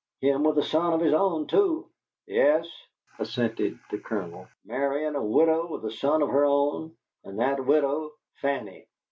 Him with a son of his own, too!" "Yes," assented the Colonel, "marryin' a widow with a son of her own, and that widow Fanny!"